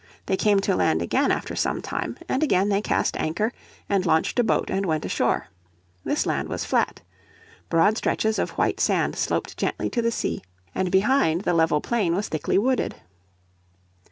They came to land again after some time, and again they cast anchor and launched a boat and went ashore. This land was flat. Broad stretches of white sand sloped gently to the sea, and behind the level plain was thickly wooded.